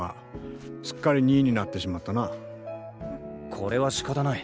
これはしかたない。